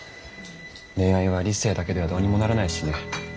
恋愛は理性だけではどうにもならないしね。